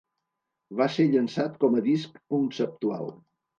Va ser llançat com a disc conceptual.